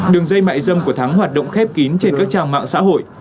đường dây mại dâm của thắng hoạt động khép kín trên các trang mạng xã hội